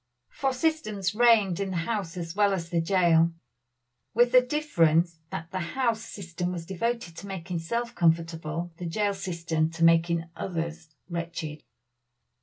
For system reigned in the house as well as the jail, with this difference, that the house system was devoted to making self comfortable the jail system to making others wretched.